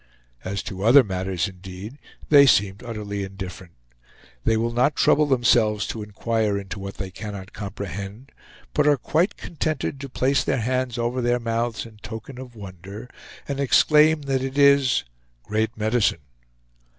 As to other matters, indeed, they seemed utterly indifferent. They will not trouble themselves to inquire into what they cannot comprehend, but are quite contented to place their hands over their mouths in token of wonder, and exclaim that it is "great medicine."